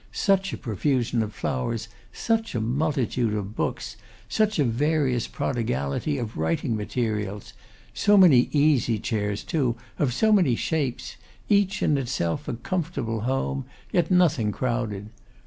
Such a profusion of flowers! Such a multitude of books! Such a various prodigality of writing materials! So many easy chairs too, of so many shapes; each in itself a comfortable home; yet nothing crowded.